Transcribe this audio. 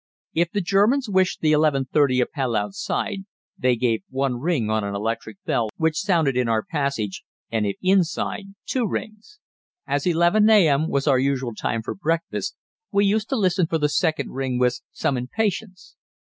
If the Germans wished the 11.30 Appell outside, they gave one ring on an electric bell which sounded in our passage, and if inside, two rings. As 11 a.m. was our usual time for breakfast, we used to listen for the second ring with some impatience.